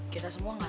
kita semua gak tahu